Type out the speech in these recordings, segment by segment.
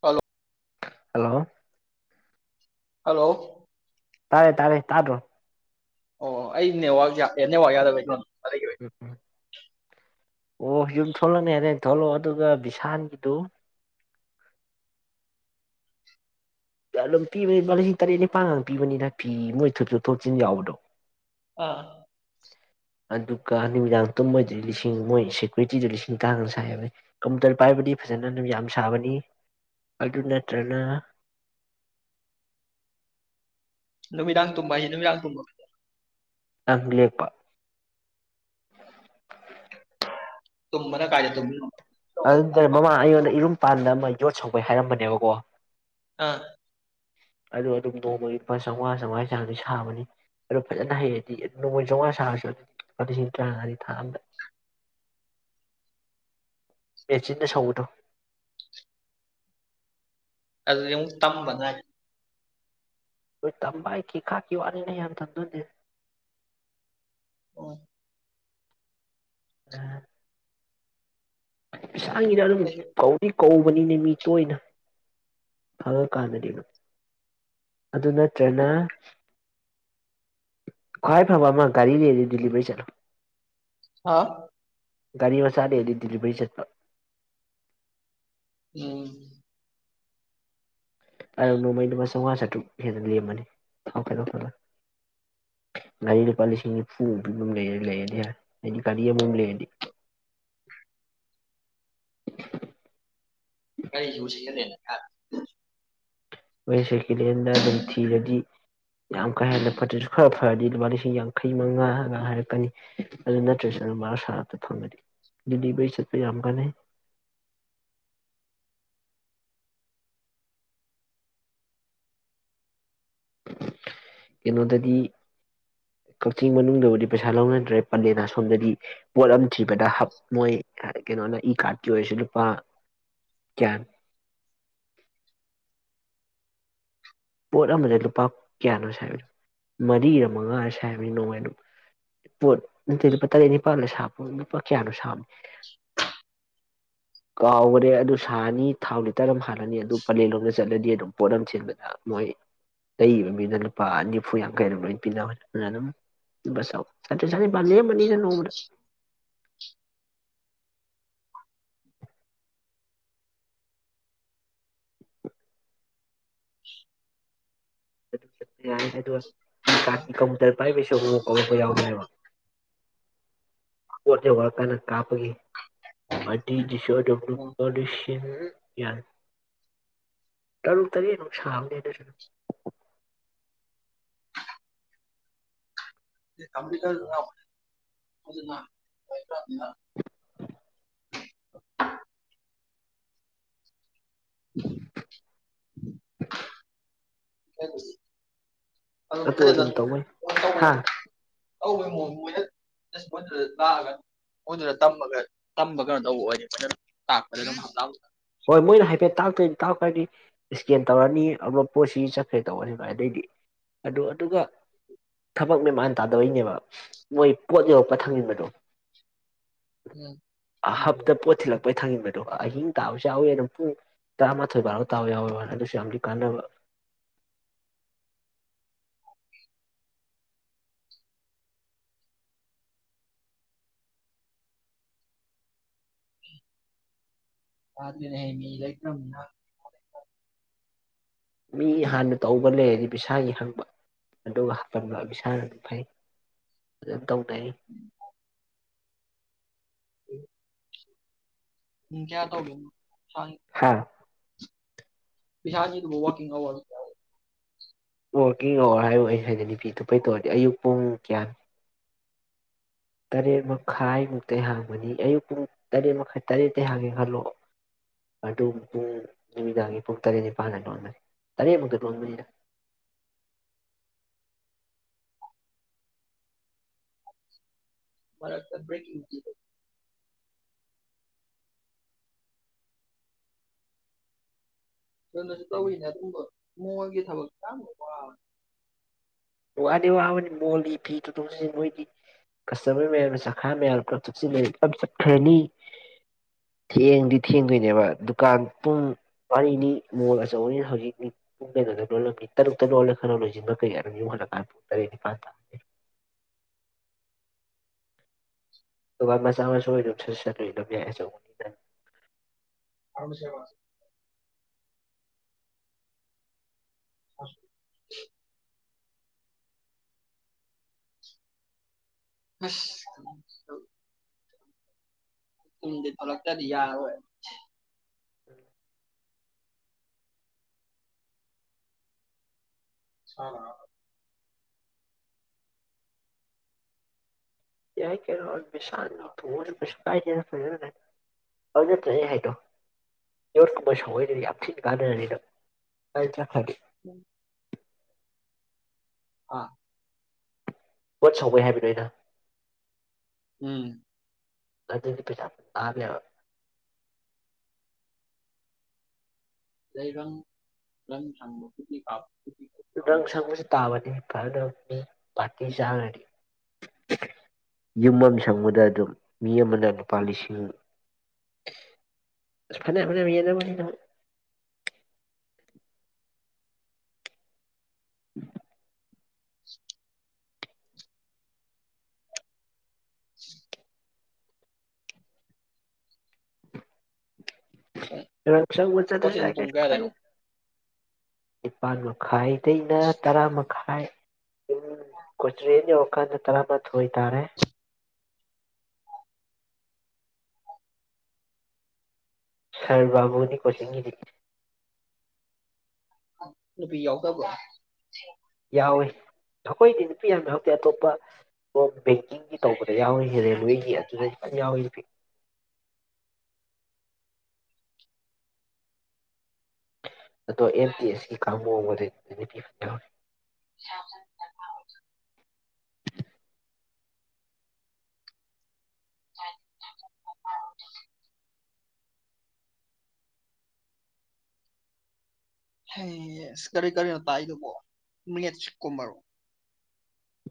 Hello hello hello ꯇꯥꯔꯦ ꯇꯥꯔꯦ ꯇꯥꯗꯔꯣ ꯑꯣ ꯑꯩ ꯅꯦ ꯅꯦꯋꯥ ꯌꯥꯗꯕ ꯎꯝ ꯎꯝ ꯑꯣ ꯌꯨꯝ ꯊꯣꯛꯂꯛꯅꯤꯗ ꯊꯣꯛꯂꯛꯑꯣ ꯑꯗꯨꯒ ꯕꯤꯚꯤꯁꯥꯟꯒꯤꯗꯨ ꯑꯗꯨꯝ ꯄꯤꯕꯅꯤꯄꯥ ꯂꯤꯁꯤꯡ ꯇꯔꯦꯠ ꯅꯤꯄꯥꯟꯒ ꯄꯤꯕꯅꯤꯅ ꯐꯤ ꯃꯣꯏ ꯊꯨꯞ ꯆꯨꯠ ꯊꯣꯛꯆꯤꯟꯟ ꯌꯥꯎꯕꯗꯣ ꯑꯥ ꯑꯗꯨꯒ ꯅꯨꯃꯤꯗꯥꯡ ꯇꯨꯝꯕꯩꯗꯗꯤ ꯂꯤꯁꯤꯡ ꯃꯣꯏ ꯁꯦꯀ꯭ꯨꯔꯤꯇꯤꯗ ꯂꯤꯁꯤꯡ ꯇꯔꯥꯉꯥ ꯁꯥꯏꯕꯅꯤ ꯀꯝꯄꯨꯇꯔ ꯄꯥꯏꯕꯗꯤ ꯐꯖꯅ ꯅꯨ ꯌꯥꯝ ꯁꯥꯕꯅꯤ ꯑꯗꯨ ꯅꯠꯇ꯭ꯔꯒꯅ ꯅꯨꯃꯤꯗꯥꯡ ꯇꯨꯝꯕ ꯍꯥꯏꯁꯤ ꯅꯨꯃꯤꯗꯥꯡ ꯇꯨꯝꯕꯥ ꯑꯂ‌ꯦꯛꯄꯥ ꯇꯨꯝꯕꯅꯥ ꯃꯅ ꯀꯥꯏꯗ ꯇꯨꯃꯤꯅꯣ ꯑꯗꯨ ꯇꯔꯦ ꯃꯃꯥꯡ ꯑꯩꯉꯣꯟꯗ ꯏꯔꯨꯝꯄꯥꯟꯗ ꯑꯃ ꯌꯣꯠ ꯁꯧꯕꯩ ꯍꯥꯏꯔꯝꯕꯅꯦꯕꯀꯣ ꯑꯥ ꯑꯗꯨꯗ ꯑꯗꯨꯝ ꯅꯣꯡꯃ ꯂꯨꯄꯥ ꯆꯥꯝꯃꯉꯥ ꯆꯥꯝꯃꯉꯥꯒꯤ ꯆꯥꯡꯗꯤ ꯁꯥꯕꯅꯤ ꯑꯗꯨꯗꯣ ꯐꯖꯅ ꯍꯩꯔꯗꯤ ꯅꯣꯡꯃꯩ ꯆꯥꯝꯃꯉꯥ ꯁꯥꯔꯁꯨ ꯑꯗꯨꯝ ꯂꯨꯄꯥ ꯂꯤꯁꯤꯡ ꯇꯔꯥꯃꯉꯥꯅꯤ ꯊꯥ ꯑꯃꯝꯗ ꯃꯦꯆꯗ ꯁꯧꯗꯣ ꯑꯗꯨ ꯑꯃꯨꯛ ꯇꯝꯕꯗ꯭ꯔ ꯍꯣꯏ ꯇꯝꯕ ꯑꯩ ꯀꯤ ꯈꯥꯀꯤ ꯋꯥꯅꯤꯅꯦ ꯌꯥꯝ ꯇꯝꯗꯣꯏꯅꯦ ꯑꯣ [unintelligible] [unintelligible] ꯏꯁꯩꯥꯒꯤꯗ ꯑꯗꯨꯝ ꯑꯩꯁꯨ ꯐꯧꯗꯤ ꯀꯧꯕꯅꯤꯅꯦ ꯃꯤ ꯇꯣꯏꯅꯥ ꯐꯔ ꯀꯥꯟꯗꯗꯤꯅꯣ ꯑꯗꯨ ꯅꯠꯇ꯭ꯔꯅ ꯈ꯭ꯋꯥꯏ ꯐꯕ ꯑꯃ ꯒꯥꯔꯤ ꯂꯩꯔꯗꯤ ꯗꯤꯂꯤꯚꯔꯤ ꯆꯠꯂꯣ ꯍꯥꯥ ꯒꯥꯔꯤ ꯃꯆꯥꯥꯗꯦꯗꯤꯗꯤꯚꯩ ꯆꯠꯄ [inaudible] ꯅꯣꯡꯃꯩ ꯂꯨꯄꯥ ꯆꯥꯝꯃꯉꯥ ꯆꯥꯇ꯭ꯔꯨꯛ ꯍꯦꯟꯅ ꯂꯦꯝꯃꯅꯤꯥꯎ ꯒꯥꯔꯤ ꯂꯨꯄꯥ ꯂꯤꯁꯤꯡ ꯅꯤꯐꯨ ꯑꯗꯨ ꯑꯗꯨꯝ ꯂꯩ ꯂꯩꯔꯗꯤ ꯍꯥꯏꯔ ꯑꯩꯗꯤ ꯒꯥꯔꯤ ꯑꯃꯃꯝ ꯂꯩꯔꯗꯤ ꯒꯥꯔꯤꯁꯤꯕꯨ [inaudible] ꯑꯩꯣꯏ ꯁꯦꯀꯦꯟ ꯍꯦꯟꯗ ꯑꯗꯨꯝ ꯊꯤꯔꯗꯤ ꯌꯥꯝ ꯀꯥ ꯍꯦꯟꯅ ꯐꯠꯇ꯭ꯔꯁꯨ ꯈꯔ ꯐꯔꯗꯤ ꯂꯨꯄꯥ ꯂꯤꯁꯤꯡ ꯌꯥꯡꯈꯩ ꯃꯉꯥꯒ ꯍꯥꯏꯔꯛꯀꯅꯤ ꯑꯗꯨ ꯅꯠꯇ꯭ꯔꯁꯨ ꯑꯗꯨꯝ ꯃꯥꯁꯔꯇ ꯐꯪꯉꯗꯤ ꯂꯤꯚꯔꯤ ꯆꯠꯄ ꯌꯥꯝ ꯀꯥꯟꯅꯩ ꯀꯩꯅꯣꯗꯗꯤ ꯀꯛꯆꯤꯡ ꯃꯅꯨꯡꯗꯕꯨꯗꯤ ꯄꯩꯁꯥ ꯂꯧꯅꯗ꯭ꯔꯦ ꯄꯂꯦꯅ ꯁꯣꯝꯗꯗꯤ ꯄꯣꯠꯂꯝ ꯊꯤꯕꯗꯞ ꯃꯣꯏ ꯀꯩꯅꯣꯅ ꯏ ꯀꯥꯔꯠꯀꯤ ꯑꯣꯏꯔꯁꯨ ꯂꯨꯄꯥ ꯀꯌꯥꯟ ꯄꯣꯠ ꯑꯃꯗ ꯂꯨꯄꯥ ꯀꯌꯥꯅꯣ ꯁꯥꯏꯕꯅ ꯃꯔꯤꯒ ꯃꯉꯥ ꯁꯥꯏꯕꯅꯤ ꯅꯣꯡꯃꯩ ꯑꯗꯨ ꯄꯣꯠꯇ ꯂꯨꯄꯥ ꯇꯔꯦꯠ ꯅꯤꯄꯥꯜꯗ ꯁꯥꯕ ꯂꯨꯄꯥ ꯀꯌꯥꯅꯣ ꯁꯥꯕꯅꯤ ꯀꯥꯎꯈꯔꯦ ꯑꯗꯨ ꯁꯥꯔꯅꯤ ꯊꯥꯎ ꯂꯤꯇꯔ ꯑꯃ [unintelligible] ꯆꯠꯂꯗꯤ ꯑꯗꯨꯝ ꯄꯣꯠꯂꯝ ꯊꯤꯟꯕꯇꯥꯕ ꯃꯣꯏ ꯂꯩꯒꯤꯕ ꯃꯤꯗ ꯂꯨꯄꯥ ꯅꯤꯐꯨ ꯌꯥꯡꯈꯩ ꯑꯗꯨꯝ ꯂꯣꯏ ꯄꯤꯅꯕꯅꯦ ꯑꯗꯨꯅ ꯑꯗꯨꯝ ꯕ ꯁꯥꯎ ꯆꯇ꯭ꯔꯦꯠ ꯆꯅꯤꯄꯥꯟ ꯂꯦꯝꯃꯅꯤꯗ ꯅꯣꯡꯃꯗ [inaudible] ꯆꯗꯨꯛꯆꯠ ꯌꯥꯢ ꯑꯗꯨꯒ ꯏ ꯀꯥꯔꯠꯀꯤ ꯀꯝꯄꯨꯇꯔ ꯄꯥꯏꯕꯒꯤꯁꯨ ꯑꯗꯨ ꯀꯧꯔꯛꯄ ꯌꯥꯎꯕꯅꯦꯕ ꯄꯣꯠ ꯌꯧꯔꯑꯀꯥꯟꯗ ꯀꯥꯞꯄꯒꯤ ꯑꯔꯇꯤ ꯗꯤꯁ ꯖꯣꯢ ꯗꯕ꯭ꯂꯤꯎ ꯎꯝ ꯄꯣꯂꯤꯁꯤꯟ ꯌꯥꯔꯦ ꯇꯔꯨꯛ ꯇꯔꯦꯠꯃꯨꯛ ꯁꯥꯕꯅꯦ ꯗꯨꯁꯨ ꯗꯨꯝ [unintelligible] [inaudible] [unintelligible] ꯑꯗꯨ ꯑꯗꯨꯝ ꯇꯧꯅꯩ ꯇꯧꯕꯩ ꯍꯥ [unintelligible] ꯍꯣꯏ ꯃꯣꯏꯅ ꯍꯥꯏꯐꯦꯠ ꯇꯥꯛꯇꯣꯏꯅꯤ ꯇꯥꯛꯄ ꯍꯥꯢꯗꯤ ꯏꯁꯀꯦꯟ ꯇꯧꯔꯅꯤ ꯑꯗꯨꯒ ꯄꯣꯠꯁꯤ ꯆꯠꯈ꯭ꯔꯦ ꯇꯧꯔꯅꯤ ꯚꯥꯢ ꯑꯗꯩꯗꯤ ꯑꯗꯨ ꯑꯗꯨꯒ ꯊꯕꯛ ꯃꯦꯃꯥꯟ ꯇꯥꯗꯕꯩꯅꯦꯕ ꯃꯣꯏ ꯄꯣꯠ ꯌꯧꯔꯛꯄ ꯊꯥꯡꯅꯤꯡꯕꯗꯣ ꯎꯝ ꯑ ꯍꯞꯇ ꯄꯣꯠ ꯊꯤꯜꯂꯛꯄꯩ ꯊꯪꯖꯤꯟꯕ ꯗꯨꯒ ꯑꯗꯨꯝ ꯇꯥꯕꯁꯨ ꯌꯥꯎꯋꯤ ꯑꯗꯨꯝ ꯄꯨꯡ ꯇꯔꯥꯃꯥꯊꯣꯏ ꯚꯥꯔꯣ ꯇꯥꯕ ꯌꯥꯎꯋꯤꯕ ꯑꯗꯨꯁꯨ ꯌꯥꯝꯗꯤ ꯀꯥꯟꯅꯕ ꯄꯥꯠꯃꯤ ꯍꯩ ꯃꯍꯤ ꯂꯩꯇ꯭ꯔꯝꯅꯤꯅ ꯃꯤꯒꯤ ꯍꯥꯟꯅ ꯇꯧꯕ ꯂꯩꯔꯗꯤ ꯕꯤꯥꯁꯥꯒꯤ ꯍꯪꯕ ꯑꯗꯨꯒ ꯍꯥꯄꯟꯕ ꯕꯤꯁꯥꯅ ꯑꯗꯨꯝ ꯐꯩ ꯑꯗ ꯇꯧꯕꯩ ꯄꯨꯡ ꯀꯌꯥ ꯇꯧꯒꯦ ꯍꯥ ꯕꯤꯁꯥꯒꯤꯗꯨꯕꯨ ꯋꯥꯀꯤꯡ ꯑꯋꯔꯁ ꯂꯣ ꯋꯣꯔꯀꯤꯡ ꯑꯋꯥꯔ ꯍꯥꯏꯕ ꯑꯩ ꯍꯥꯏꯗꯤ ꯅꯨꯄꯤ ꯇꯨꯄꯩ ꯇꯧꯔꯗꯤ ꯑꯌꯨꯛ ꯄꯨꯡ ꯀ꯭ꯌꯥ ꯇꯔꯦꯠ ꯃꯈꯥꯏꯃꯨꯛꯇꯩ ꯍꯥꯡꯕꯅꯤ ꯑꯌꯨꯛ ꯄꯨꯡ ꯇꯔꯦꯠ ꯃꯈꯥꯏ ꯇꯔꯦꯠꯇꯩ ꯍꯥꯡꯉꯦ ꯈꯜꯑꯣ ꯑꯗꯨ ꯄꯨꯡ ꯅꯨꯃꯤꯗꯥꯡꯒꯤ ꯄꯨꯡ ꯇꯔꯦꯠ ꯅꯤꯄꯥꯜꯗ ꯂꯣꯟꯕꯅꯤ ꯇꯔꯦꯠꯃꯨꯛꯇ ꯂꯣꯟꯕꯅꯤꯗ ꯃꯔꯛꯇ ꯕ꯭ꯔꯦꯛꯀꯤꯡ ꯄꯤꯗꯔ꯭ꯣ ꯁꯣꯟꯗꯁꯨ ꯇꯧꯋꯤꯅꯦ ꯑꯗꯨꯝꯕ ꯃꯣꯜꯒꯤ ꯊꯕꯛꯇꯣ ꯌꯥꯝꯅ ꯋꯥꯕꯅꯦ ꯋꯥꯗꯤ ꯋꯥꯕꯅꯦ ꯃꯣꯜꯒꯤ ꯐꯤ ꯊꯨꯇꯣꯛ ꯊꯨꯆꯤꯟ ꯃꯣꯏꯗꯤ ꯀꯁꯇꯃꯔ ꯃꯌꯥꯝꯅ ꯆꯈꯥꯢ ꯃꯌꯥꯝꯗꯣ ꯄꯨꯂꯞ ꯊꯨꯞꯁꯤꯜꯂꯦ ꯄꯨꯂꯞ ꯆꯠꯈ꯭ꯔꯅꯤ ꯊꯦꯡꯗꯤ ꯊꯦꯡꯗꯣꯢꯅꯦꯕ ꯗꯨꯀꯥꯟ ꯄꯨꯡ ꯃꯔꯤꯅꯤ ꯃꯣꯜ ꯑꯆꯧꯕꯅꯤꯅ ꯍꯧꯖꯤꯛꯅꯤ ꯄꯨꯡ ꯀꯩꯅꯣꯗ ꯂꯣꯜꯂꯝꯅꯤ ꯇꯔꯨꯛꯇ ꯂꯣꯜꯂꯦ ꯈꯜꯂꯣ ꯂꯣꯏꯖꯤꯟꯕ ꯀꯩ ꯑꯗꯨꯝ ꯌꯨꯝ ꯍꯜꯂꯛ ꯑꯥ ꯄꯨꯡ ꯇꯔꯦꯠ ꯅꯤꯄꯥꯟ ꯇꯥꯕꯩ ꯑꯗꯨꯒ ꯃꯆꯥ ꯃꯁꯨ ꯑꯣꯏꯗꯤ ꯗꯨꯝ ꯁꯦꯠꯆꯟꯂꯤ ꯗꯨꯝ ꯌꯥꯏ ꯑꯆꯧꯕꯅꯤꯅ [unintelligible] [unintelligible] ꯍꯁ ꯀꯅꯝꯁꯨ ꯇꯧ ꯌꯨꯝꯗꯩ ꯊꯣꯛꯂꯛꯇꯗꯤ ꯌꯥꯔꯣꯢ ꯎꯝ ꯁꯥ ꯂꯥ ꯌꯥꯏ ꯀꯩꯅꯣꯑ ꯄꯩꯁꯥꯅꯤ ꯊꯣꯔꯄꯩꯁꯥ ꯄꯥꯏꯗꯦꯗ ꯐꯖꯅ ꯂꯩ ꯑꯗꯨ ꯅꯠꯇꯦꯍꯦ ꯑꯩ ꯍꯥꯢꯗꯣ ꯌꯣꯠꯀꯨꯝꯕ ꯁꯧꯍꯩꯔꯗꯤ ꯌꯥꯝ ꯊꯤꯅ ꯀꯥꯟꯅꯔꯅꯤ ꯅꯪ ꯑꯣꯢꯗ꯭ꯔ ꯍꯠ ꯑꯥ ꯄꯣꯠ ꯁꯧꯕꯩ ꯍꯥꯏꯕꯅꯦ ꯑꯩꯅ ꯎꯝ ꯑꯗꯨꯗꯤ ꯀꯩꯁꯨꯌꯥꯝ ꯇꯥꯗꯦ ꯍꯥꯢꯕ [unintelligible] ꯑꯃ ꯎꯗꯪ ꯄꯩꯁꯥ ꯁꯪꯕꯁꯨ ꯇꯥꯕꯅꯤ ꯐꯔꯗ꯭ꯔꯣ ꯃꯤ ꯄꯥꯔꯇꯤ ꯆꯥꯒ꯭ꯔꯗꯤ ꯌꯨꯝ ꯑꯝ ꯁꯪꯕꯗ ꯑꯗꯨꯝ ꯃꯤ ꯑꯃꯅ ꯂꯨꯄꯥ ꯂꯤꯁꯤꯡ ꯑꯁ ꯑꯁ ꯐꯅ꯭ꯌꯥꯝ ꯐꯅ꯭ꯌꯥꯝ ꯌꯦꯟꯅꯕꯅꯤꯗ ꯃꯗꯨ [inaudible] [inaudible] [inaudible] ꯔꯪ ꯁꯪꯕ ꯆꯠꯇ꯭ꯔꯁꯨ ꯀꯣꯆꯤꯡ ꯌꯥꯢ ꯄꯨꯡ ꯀꯩꯁꯨ ꯀꯌꯥꯗꯩꯅꯣ ꯀꯥꯢꯗꯦ ꯄꯥꯟ ꯃꯈꯥꯏ ꯇꯩꯩꯅ ꯇꯔꯥꯃꯛ ꯈꯥꯏ ꯀꯣꯆꯤꯡ ꯌꯧꯔꯀꯥꯟꯗ ꯇꯔꯥꯃꯊꯣꯏ ꯇꯥꯔꯦ ꯁꯔꯕꯥꯕꯣꯅꯤ ꯀꯣꯆꯤꯡꯒꯤꯗꯤ ꯅꯨꯄꯤ ꯌꯥꯎꯗꯕ꯭ꯔꯣ ꯌꯥꯎꯋꯦ ꯑꯩꯈꯣꯏꯗꯤ ꯅꯨꯄꯤ ꯌꯥꯝ ꯌꯥꯎꯗꯦ ꯑꯇꯣꯞꯄ ꯔꯣꯝ ꯕꯦꯡꯀꯤꯡꯒꯤ ꯇꯧꯕꯗ ꯌꯥꯎꯔꯤꯖꯦ ꯔꯦꯜꯋꯦꯒꯤ ꯑꯗꯨꯗꯩ ꯐꯖꯅ ꯌꯥꯎꯋꯦ ꯅꯨꯄꯤ ꯑꯗꯣ ꯑꯦꯝꯇꯤꯑꯦꯁꯀꯤ ꯀꯥꯡꯒꯨ ꯑꯝꯒꯗꯤ ꯅꯨꯄꯤ ꯐꯖ ꯌꯥꯎꯋꯦ [unintelligible] [unintelligible] ꯍꯩ ꯑꯁ ꯀꯔꯤ ꯀꯔꯤꯅꯣ ꯇꯥꯛꯢꯗꯨꯕꯣ ꯃꯦꯠꯁ ꯀꯨꯝꯕꯔꯣ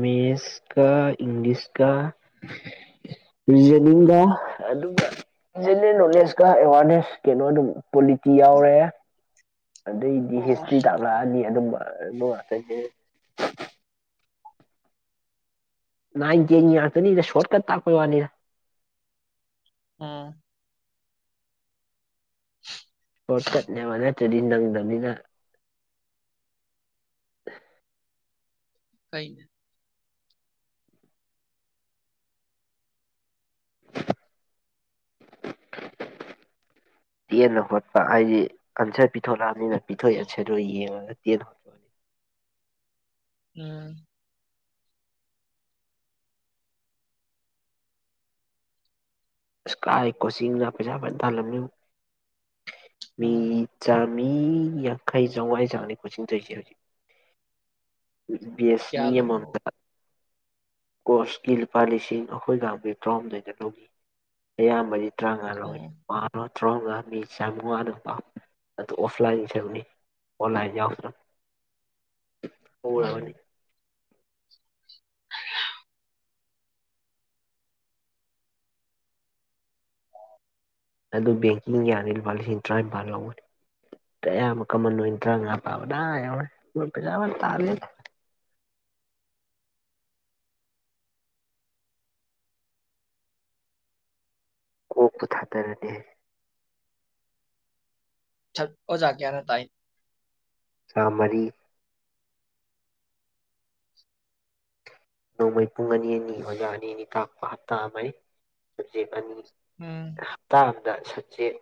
ꯃꯦꯁꯀ ꯏꯪꯂꯤꯁꯀ ꯔꯤꯖꯅꯤꯡꯒ ꯑꯗꯨꯒ ꯖꯦꯅꯔꯦꯜ ꯅꯣꯂꯦꯁꯀ ꯑꯦꯋꯥꯔꯅꯦꯁ ꯀꯩꯅꯣ ꯑꯗꯨꯝ ꯄꯣꯂꯤꯇꯤ ꯌꯥꯎꯔꯦ ꯑꯗꯩꯗꯤ ꯑꯣ ꯍꯤꯁꯇ꯭ꯔꯤ ꯇꯥꯛꯂꯛꯑꯅꯤ ꯑꯗꯨꯝꯕ ꯑꯗꯨꯒ ꯑꯇꯩꯗꯤ ꯅꯥꯏꯟ ꯇꯦꯟꯒꯤ ꯉꯥꯛꯇꯅꯤꯗ ꯁꯣꯔ꯭ꯠꯀꯠ ꯇꯥꯛꯄꯩ ꯋꯥꯅꯤꯗ ꯑꯥ [unintelligible] ꯇꯨꯗꯤ ꯅꯪꯗꯝꯅꯤꯅ ꯀꯩꯅ ꯇꯦꯟꯅ ꯍꯣꯠꯄ ꯍꯥꯏꯗꯤ ꯑꯟꯁꯔ ꯄꯤꯊꯣꯛꯂꯛꯑꯝꯅꯤꯅ ꯄꯤꯊꯣꯛꯢꯕ ꯑꯟꯁꯔꯗꯣ ꯌꯦꯡꯉꯒ ꯇꯦꯟꯅ ꯍꯣꯠꯄꯅꯤ ꯎꯝ ꯏꯁꯀꯥꯏ ꯀꯣꯆꯤꯡꯂꯥ ꯄꯩꯁꯥ ꯐꯖꯅ ꯇꯥꯜꯂꯝꯅꯤꯕꯨ ꯃꯤ ꯎꯝ ꯆꯥꯝ ꯃꯤ ꯌꯥꯡꯈꯩ ꯆꯝꯉꯥꯢ ꯆꯥꯡꯅꯦ ꯀꯣꯆꯤꯡ ꯇꯧꯢꯁꯦ ꯍꯧꯖꯤꯛ ꯕꯦꯁ ꯀꯌꯥ ꯃꯤ ꯂꯣꯏꯅꯣ ꯑꯃꯃꯝꯇꯑ ꯀꯣꯁꯀꯤ ꯂꯨꯄꯥ ꯂꯤꯁꯤꯡ ꯑꯈꯣꯏ ꯀꯥꯟꯕꯨ ꯇꯔꯥꯍꯨꯝꯗꯣꯏꯗ ꯂꯧꯒꯤ ꯑꯌꯥꯝꯕꯗꯤ [unintelligible] ꯎꯝ ꯇꯔꯥꯃꯉꯥ ꯃꯤ ꯆꯥꯝꯉꯥꯅꯀꯣ ꯑꯗꯨ ꯑꯣꯐꯂꯥꯏꯟ ꯁꯔꯨꯛꯅꯤ ꯑꯣꯟꯂꯥꯏꯟ [unintelligible] ꯍꯧꯔꯕꯅꯤ꯫ ꯑꯗꯨ ꯕꯦꯡꯀꯤꯡ ꯌꯥꯅꯤ ꯂꯨꯄꯥ ꯂꯤꯁꯤꯡ ꯇꯔꯥꯅꯤꯄꯥꯜ ꯂꯧꯕꯅꯦ ꯑꯌꯥꯝꯕ ꯀꯃꯟꯑꯣꯏ ꯇꯔꯥꯃꯉꯥ ꯄꯥꯕꯗ ꯑꯥ ꯌꯥꯎꯔꯦ ꯃꯣꯏ ꯄꯩꯥꯁꯥ ꯐ ꯇꯥꯜꯂꯦ꯫ ꯀꯣꯛꯄꯨ ꯊꯥꯗꯔꯗꯤ꯫ ꯁꯛ ꯑꯣꯖꯥ ꯀ꯭ꯌꯥꯅ ꯇꯥꯛꯏ꯫ ꯆꯥꯃꯔꯤ꯫ ꯅꯣꯡꯃꯩ ꯄꯨꯡ ꯑꯅꯤ ꯑꯅꯤ ꯑꯣꯖꯥ ꯑꯅꯤ ꯑꯅꯤ ꯇꯥꯛꯄ ꯍꯞꯇꯥ ꯑꯃꯩ ꯁꯕꯖꯦꯛ ꯑꯅꯤ꯫ ꯎꯝ꯫ ꯗ ꯁꯕꯆꯦꯛ꯫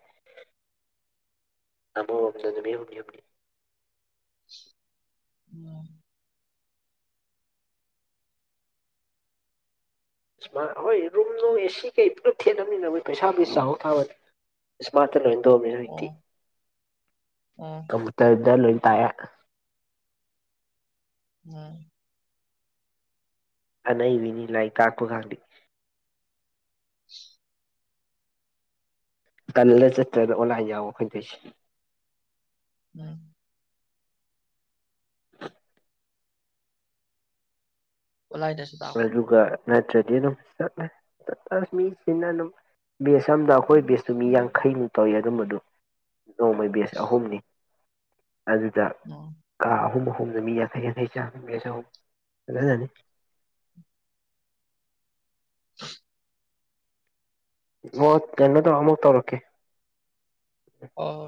ꯑꯃꯔꯣꯝꯗ ꯅꯨꯃꯤꯠ ꯍꯨꯝꯅꯤ ꯍꯨꯝꯅꯤ꯫ ꯎꯝ꯫ ꯏꯁꯃꯥꯔꯠ ꯍꯣꯏ ꯔꯨꯝ ꯅꯨꯡ ꯑꯦꯁꯤ ꯀꯩ ꯄꯨꯂꯞ ꯊꯦꯠꯂꯝꯅꯤꯅ ꯃꯣꯏ ꯄꯩꯁꯥꯕꯨ ꯆꯥꯎ ꯊꯥꯕ ꯏꯁꯃꯥꯔꯠ꯫ ꯇ ꯂꯣꯏ ꯇꯧꯔꯝꯅꯦ ꯍꯨꯖꯤꯛꯇꯤ ꯀꯝꯇ꯭ꯔꯗ ꯂꯣꯏ꯫ ꯇꯥꯌꯥ꯫ ꯎꯝ꯫ ꯑꯅꯩꯕꯤꯅꯤ ꯂꯥꯏꯛ ꯇꯥꯛꯄꯀꯥꯡꯗꯤ꯫ ꯇꯟꯗ ꯆꯠꯇ꯭ꯔꯗ ꯑꯣꯂꯥꯏꯟ ꯌꯥꯎꯕ ꯑꯩꯈꯣꯏ ꯇꯧꯏꯁꯤ꯫ ꯎꯝ꯫ ꯑꯣꯟꯂꯥꯏꯗꯁꯨ ꯇꯥꯛ ꯑꯗꯨꯒ ꯅꯠꯇ꯭ꯔꯗꯤ ꯑꯗꯨꯝ ꯆꯠꯂꯦ [unintelligible] ꯃꯤꯆꯤꯟꯅ ꯑꯗꯨꯝ ꯕꯦꯁ ꯑꯝꯗ ꯑꯩꯈꯣꯏ ꯕꯦꯁꯇꯨ ꯃꯤ ꯌꯥꯡꯈꯩꯃꯨꯛ ꯇꯧꯋꯤ ꯑꯗꯨꯝꯕꯗꯨ ꯅꯣꯡꯃꯩ ꯕꯦꯁ ꯑꯍꯨꯝꯅꯤ꯫ ꯑꯗꯨꯗ ꯀꯥ ꯑꯍꯨꯝ꯫ ꯑꯍꯨꯝꯅ ꯃꯤ ꯌꯥꯡꯈꯩ ꯌꯥꯡꯈꯩ ꯆꯥ ꯃꯤ ꯆꯍꯨꯝ ꯐꯖꯖꯅꯤ꯫ [unintelligible] ꯀꯩꯅꯣ ꯇꯧ ꯑꯃꯨꯛ ꯇꯧꯔꯀꯦ꯫ ꯑꯣ꯫